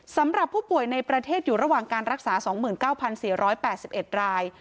สำหรับผู้ป่วยในประเทศอยู่ระหว่างการรักษา๒๙๔๘๑ราย